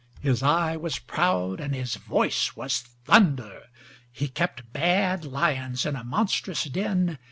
His eye was proud, and his voice was thunder. He kept bad lions in a monstrous den.